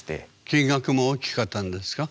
金額も大きかったんですか？